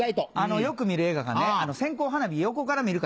よく見る映画がね「線香花火、横から見るか？